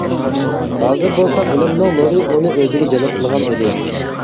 ھازىر بولسا ئىلىمنىڭ نۇرى ئۇنى ئۆزىگە جەلپ قىلغان ئىدى.